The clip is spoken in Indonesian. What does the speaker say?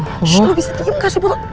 shhh lo bisa diem kasih butuh